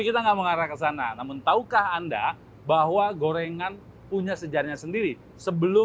kita enggak mengarah ke sana namun tahukah anda bahwa gorengan punya sejarahnya sendiri sebelum